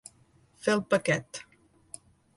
Fer el paquet.